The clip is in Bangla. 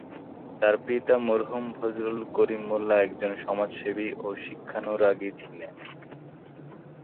তার পিতা মরহুম ফজলুল করিম মোল্লা একজন সমাজসেবী ও শিক্ষানুরাগী ছিলেন।